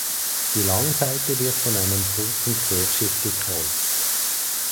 Die Langseite wird von einem kurzen Querschiff gekreuzt.